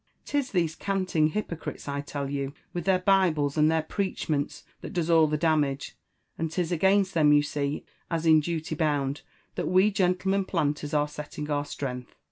'Tis these canting hypocrites, I tell you, with their Bibles and their preachments, that does all the damage ; and 'tis against them, you see, as in duty bound, that we gentlemen planters are setting our strength.